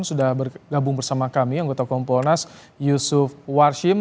sudah bergabung bersama kami anggota kompolnas yusuf warshim